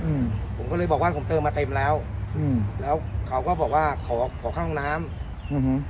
อืมผมก็เลยบอกว่าผมเติมมาเต็มแล้วอืมแล้วเขาก็บอกว่าขอขอเข้าห้องน้ำอืม